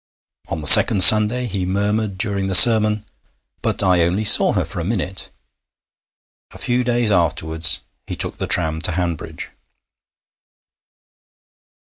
On the second Sunday he murmured during the sermon: 'But I only saw her for a minute.' A few days afterwards he took the tram to Hanbridge.